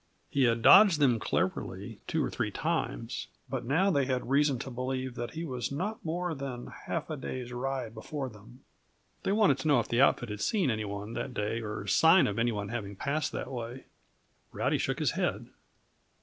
He had dodged them cleverly two or three times, but now they had reason to believe that he was not more than half a day's ride before them. They wanted to know if the outfit had seen any one that day, or sign of any one having passed that way. Rowdy shook his head.